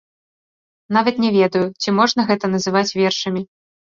Нават не ведаю, ці можна гэта называць вершамі.